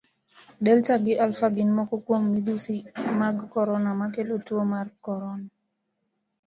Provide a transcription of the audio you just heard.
Delta gi Alpha gim moko kum midhusi mag korona makelo tuo mar korona.